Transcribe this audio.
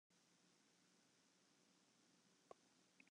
Wat kostet in keamer mei balkon?